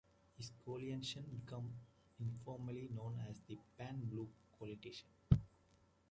This coalition became informally known as the Pan-Blue Coalition.